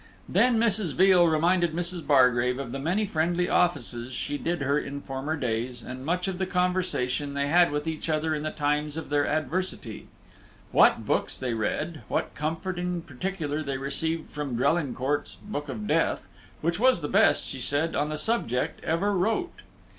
Then Mrs. Veal reminded Mrs. Bargrave of the many friendly offices she did her in former days, and much of the conversation they had with each other in the times of their adversity; what books they read, and what comfort in particular they received from Drelincourt's Book of Death, which was the best, she said, on the subject ever wrote.